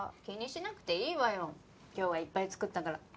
気にしなくていいわよ今日はいっぱい作ったから。